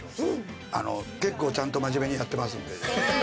結構ちゃんと真面目にやってますんで。